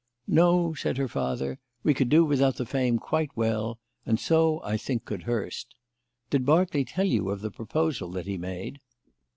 "No," said her father; "we could do without the fame quite well, and so, I think, could Hurst. Did Berkeley tell you of the proposal that he made?"